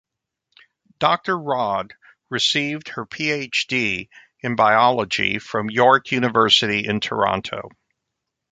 Doctor Rodd received her Ph.D. in Biology from York University in Toronto.